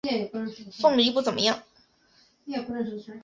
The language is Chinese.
凤梨不怎么样